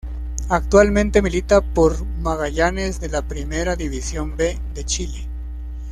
Actualmente milita por Magallanes de la Primera División B de Chile.